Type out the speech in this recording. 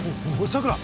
さくら